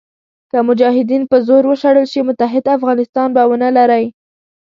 که مجاهدین په زور وشړل شي متحد افغانستان به ونه لرئ.